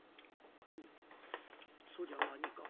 「うんそりゃ何か？